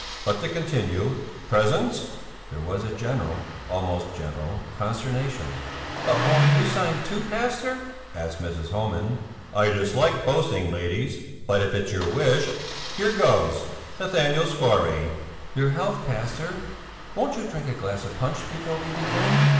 But to continue: Presents...." There was a general almost general consternation. "But won't you sign, too, pastor?" asked Mrs. Homan. "I dislike boasting, ladies, but if it's your wish! Here goes!" "Nathanael Skore." "Your health, pastor! Won't you drink a glass of punch before we begin?"